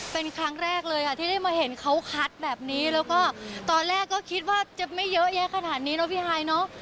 เป็นครั้งแรกเลยค่ะที่ได้มาเห็นเขาคัดแบบนี้แล้วก็ตอนแรกก็คิดว่าจะไม่เยอะแยะขนาดนี้เนอะพี่ฮายเนอะ